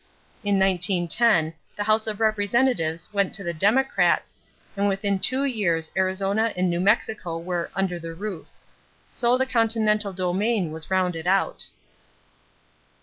In 1910 the House of Representatives went to the Democrats and within two years Arizona and New Mexico were "under the roof." So the continental domain was rounded out.